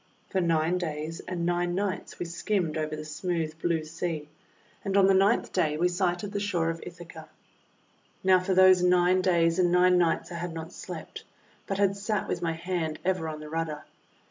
For nine days and nine nights we skimmed over the smooth blue sea, and on the ninth day we sighted the shore of Ithaca. Now for those nine days and nine nights I had not slept, but had sat with my hand ever on the rudder.